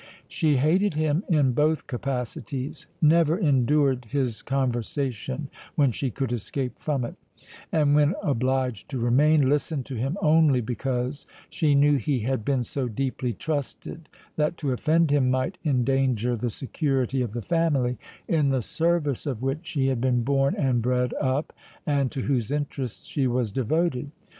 She hated him in both capacities—never endured his conversation when she could escape from it—and when obliged to remain, listened to him only because she knew he had been so deeply trusted, that to offend him might endanger the security of the family, in the service of which she had been born and bred up, and to whose interest she was devoted.